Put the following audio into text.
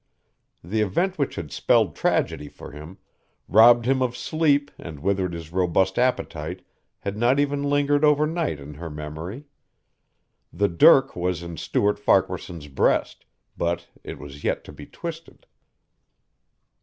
The event which had spelled tragedy for him; robbed him of sleep and withered his robust appetite had not even lingered overnight in her memory. The dirk was in Stuart Farquaharson's breast, but it was yet to be twisted.